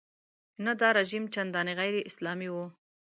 نه دا رژیم چندانې غیراسلامي و.